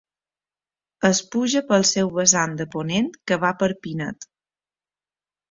Es puja pel seu vessant de ponent que va per Pinet.